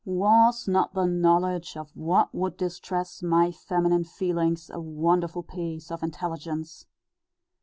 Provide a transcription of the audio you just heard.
Was not the knowledge of what would distress my feminine feelings a wonderful piece of intelligence?